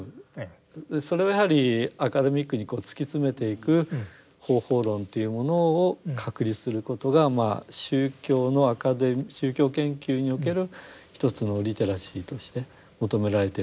それをやはりアカデミックに突き詰めていく方法論というものを確立することがまあ宗教のアカデミー宗教研究における一つのリテラシーとして求められてるのかなと思っております。